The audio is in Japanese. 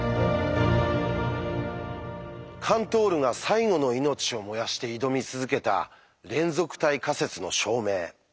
カントールが最後の命を燃やして挑み続けた「連続体仮説」の証明。